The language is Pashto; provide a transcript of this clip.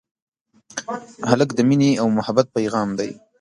هلک د مینې او محبت پېغام دی.